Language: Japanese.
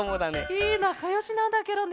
へえなかよしなんだケロね。